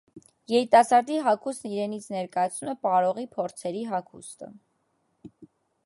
Երիտասարդի հագուստն իրենից ներկայացնում է պարողի փորձերի հագուստը։